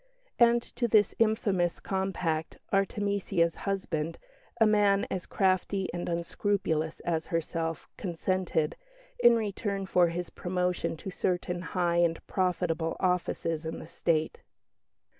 And to this infamous compact Artemesia's husband, a man as crafty and unscrupulous as herself, consented, in return for his promotion to certain high and profitable offices in the State.